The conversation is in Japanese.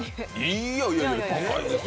いーやいやいや、高いですよ